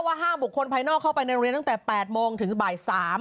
ห้ามบุคคลภายนอกเข้าไปในโรงเรียนตั้งแต่๘โมงถึงบ่าย๓